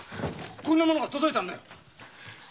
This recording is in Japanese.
こんなものが届いたんだよ。